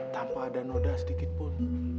tanpa ada noda sedikitpun